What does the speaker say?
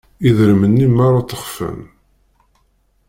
Idrimen-nni merra ttexfan.